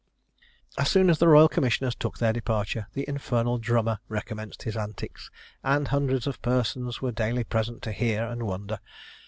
As soon as the royal commissioners took their departure, the infernal drummer recommenced his antics, and hundreds of persons were daily present to hear and wonder.